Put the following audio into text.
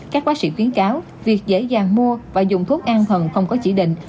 các bác sĩ khuyến cáo việc dễ dàng mua và dùng thuốc an thần không có chỉ định